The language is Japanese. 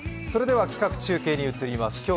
それでは企画中継に移ります。